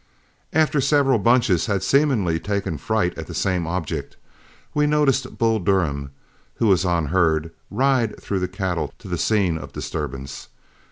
After several bunches had seemingly taken fright at the same object, we noticed Bull Durham, who was on herd, ride through the cattle to the scene of disturbance.